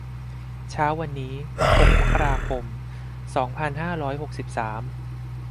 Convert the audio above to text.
เช้าวันนี้ หก มกราคม สองพันห้าร้อยหกสิบสาม